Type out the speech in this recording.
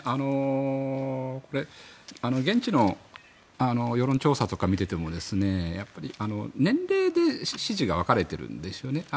これ現地の世論調査とかを見ていても年齢で支持が分かれているんですよね。